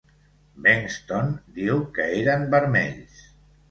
Bengston diu que eren vermells.